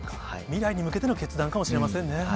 未来に向けての決断かもしれませんね。